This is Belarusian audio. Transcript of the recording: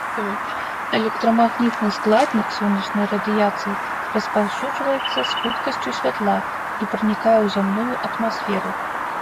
Электрамагнітны складнік сонечнай радыяцыі распаўсюджваецца з хуткасцю святла і пранікае ў зямную атмасферу.